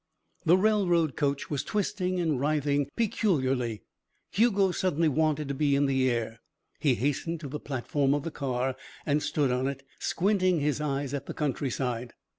The railroad coach was twisting and writhing peculiarly. Hugo suddenly wanted to be in the air. He hastened to the platform of the car and stood on it, squinting his eyes at the countryside.